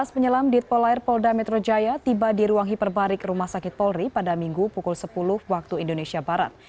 dua belas penyelam di polair polda metro jaya tiba di ruang hiperbarik rumah sakit polri pada minggu pukul sepuluh waktu indonesia barat